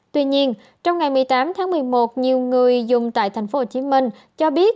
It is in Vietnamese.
tuy nhiên trong ngày một mươi tám tháng một mươi một nhiều người dùng tại tp hcm cho biết